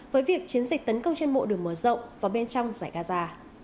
với việc chiến dịch tấn công trên mộ đường mở rộng vào bên trong giải gaza